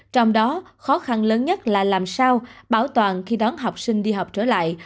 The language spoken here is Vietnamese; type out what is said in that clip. trong đó khó khăn lớn nhất là làm sao bảo toàn khi đón học sinh đi học trở lại